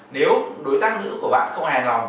nếu đối tác nữ của bạn không hài lòng